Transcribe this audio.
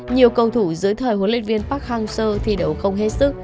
nhiều cầu thủ dưới thời huấn luyện viên park hang seo thi đấu không hết sức